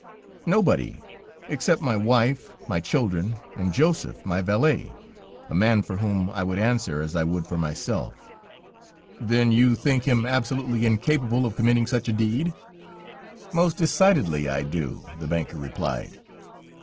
"Nobody, except my wife, my children, and Joseph, my valet, a man for whom I would answer as I would for myself." "Then you think him absolutely incapable of committing such a deed?" "Most decidedly I do," the banker replied.